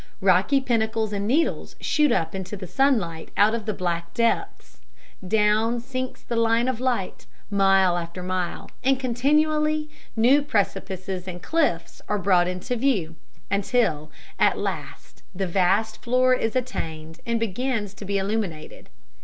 Rocky pinnacles and needles shoot up into the sunlight out of the black depths. Down sinks the line of light, mile after mile, and continually new precipices and cliffs are brought into view, until at last the vast floor is attained and begins to be illuminated.